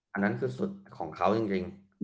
อันนั้นคือสุดของเขาจริง